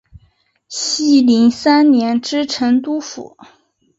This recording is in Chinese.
熙宁三年知成都府。